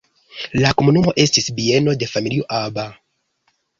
La komunumo estis bieno de familio Aba.